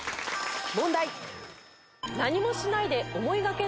問題。